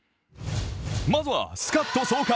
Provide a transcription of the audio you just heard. まずは、スカッと爽快！